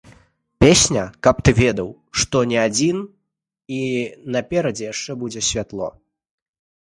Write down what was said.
Песня, каб ты ведаў, што не адзін, і наперадзе яшчэ будзе святло.